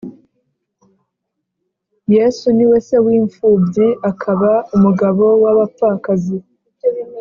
Yesu niwe se w’impfubyi akaba umugabo w’abapfakazi